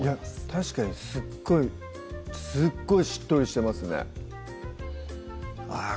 確かにすっごいすっごいしっとりしてますねあぁ